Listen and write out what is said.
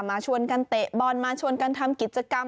ชวนกันเตะบอลมาชวนกันทำกิจกรรม